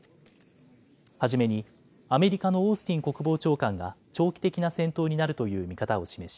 初めにアメリカのオースティン国防長官が長期的な戦闘になるという見方を示し